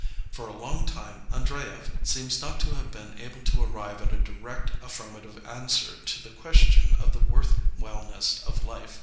For a long time Andreyev seems not to have been able to arrive at a direct affirmative answer to the question of the worth whileness of life.